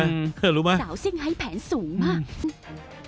รู้ไหมหวังลินสาวชิงให้แผนสูงมาก